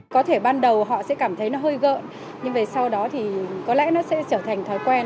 có thể ban đầu họ sẽ cảm thấy nó hơi gợn nhưng về sau đó thì có lẽ nó sẽ trở thành thói quen